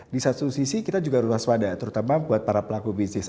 di satu sisi kita juga harus waspada terutama buat para pelaku bisnis